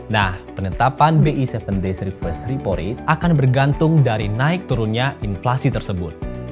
nah penetapan bi tujuh d tiga ribu satu ratus empat puluh delapan akan bergantung dari naik turunnya inflasi tersebut